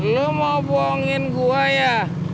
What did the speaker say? lu mau bohongin gua ya